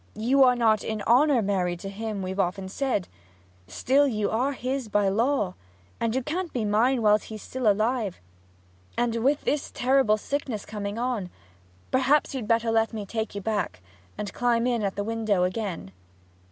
You are not in honour married to him we've often said; still you are his by law, and you can't be mine whilst he's alive. And with this terrible sickness coming on, perhaps you had better let me take you back, and climb in at the window again.'